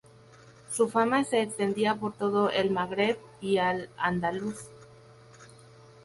Su fama se extendía por todo el Magreb y al-Ándalus.